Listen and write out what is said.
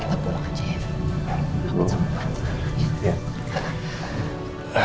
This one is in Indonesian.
kita pulang aja ya